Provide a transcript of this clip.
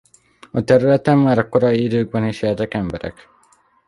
A területen már a korai időkben is éltek emberek.